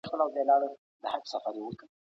تاسو به د خپلي روغتیا لپاره ډېري اوبه څښئ.